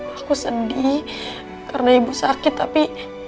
aku sedih karena ibu sakit tapi